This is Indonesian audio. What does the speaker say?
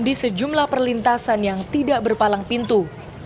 di sejumlah perlintasan yang tidak berpalang pintu